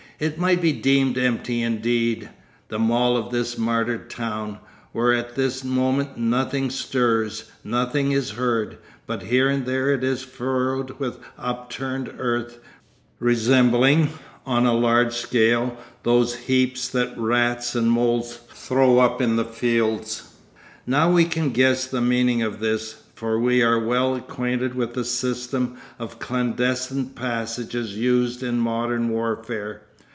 It might be deemed empty indeed, the mall of this martyred town, where at this moment nothing stirs, nothing is heard. But here and there it is furrowed with upturned earth, resembling, on a large scale, those heaps that rats and moles throw up in the fields. Now we can guess the meaning of this, for we are well acquainted with the system of clandestine passages used in modern warfare.